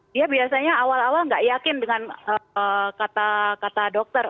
dia biasanya awal awal nggak yakin dengan kata dokter